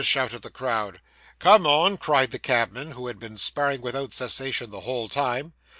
shouted the crowd. 'Come on,' cried the cabman, who had been sparring without cessation the whole time.